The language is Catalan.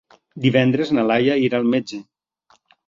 Divendres na Laia irà al metge.